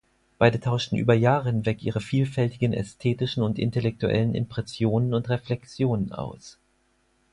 Beide tauschten über Jahre hinweg ihre vielfältigen ästhetischen und intellektuellen Impressionen und Reflexionen aus.